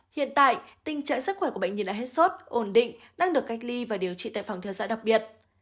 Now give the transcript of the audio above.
hiện tại tình trạng sức khỏe của bệnh nhi đã hết suất ổn định đang được cách ly và điều trị tại phòng thường dạy đặc biệt